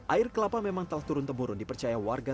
air kelapa memang telah turun temurun dipercaya warga